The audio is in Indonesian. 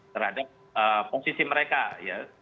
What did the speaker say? terhadap posisi mereka ya